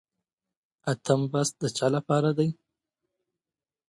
اتم بست د چا لپاره دی؟